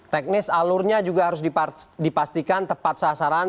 teknis alurnya juga harus dipastikan tepat sasaran